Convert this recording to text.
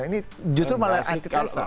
ini justru malah antitesa